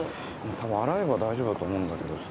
多分洗えば大丈夫だと思うんだけどさ。